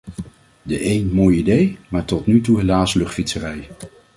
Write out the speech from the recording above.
De een mooi idee, maar tot nu toe helaas luchtfietserij.